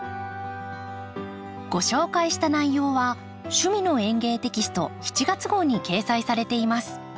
ご紹介した内容は「趣味の園芸」テキスト７月号に掲載されています。